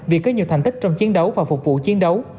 vì có nhiều thành tích trong chiến đấu và phục vụ chiến đấu